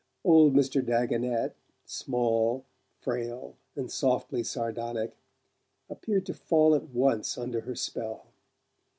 Old Mr. Dagonet small, frail and softly sardonic appeared to fall at once under her spell.